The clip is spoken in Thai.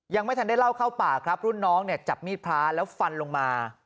ยังไม่ทันได้เล่าเข้าปากครับรุ่นน้องเนี่ยจับมีดพระแล้วฟันลงมา